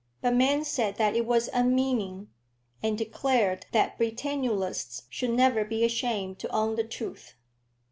But men said that it was unmeaning, and declared that Britannulists should never be ashamed to own the truth.